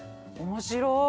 面白い。